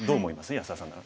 安田さんなら。